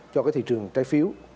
cho cái thị trường trái phiếu